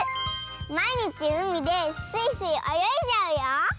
まいにちうみでスイスイおよいじゃうよ。